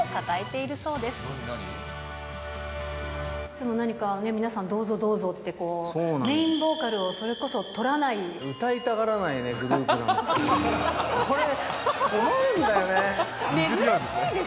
いつも何か皆さん、どうぞどうぞってメインボーカルをそれこそ、歌いたがらないグループなんです。